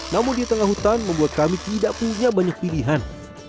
namun di tengah hutan membuat kami tidak punya banyak pilihan